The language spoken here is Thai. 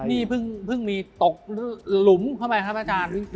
พูดพูดพูดนี่เพิ่งมีตกหลุมเข้าไปครับพระอาจารย์